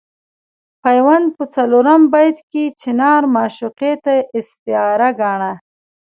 پیوند په څلورم بیت کې چنار معشوقې ته استعاره ګاڼه.